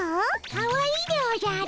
かわいいでおじゃる！